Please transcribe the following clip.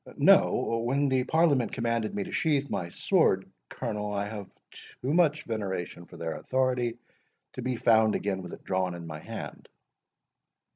No—when the Parliament commanded me to sheath my sword, Colonel, I have too much veneration for their authority to be found again with it drawn in my hand."